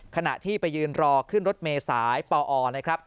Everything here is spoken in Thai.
ขณะที่ไปยืนรอขึ้นรถเมษายปอนะครับ